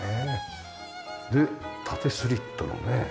で縦スリットのね。